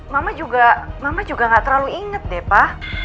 mama juga mama juga gak terlalu inget deh pak